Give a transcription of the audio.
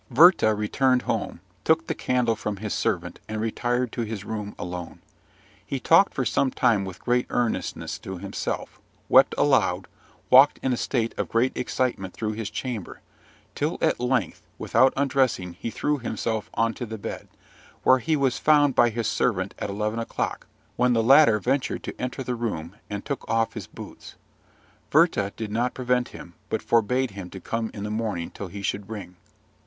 Werther returned home, took the candle from his servant, and retired to his room alone. He talked for some time with great earnestness to himself, wept aloud, walked in a state of great excitement through his chamber; till at length, without undressing, he threw himself on the bed, where he was found by his servant at eleven o'clock, when the latter ventured to enter the room, and take off his boots. Werther did not prevent him, but forbade him to come in the morning till he should ring.